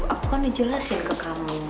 aku kan udah jelasin ke kamu